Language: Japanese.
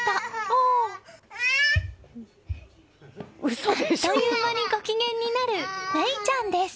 あっという間にご機嫌になる芽生ちゃんです。